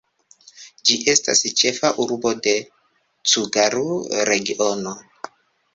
Ĝi estas ĉefa urbo de Cugaru-regiono.